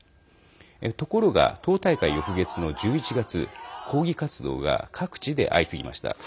ところが、党大会翌月の１１月抗議活動が各地で相次ぎました。